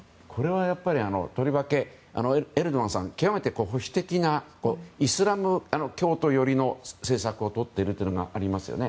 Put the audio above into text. やっぱりとりわけエルドアンさんは極めて保守的なイスラム教徒寄りの政策をとっているというのがありますよね。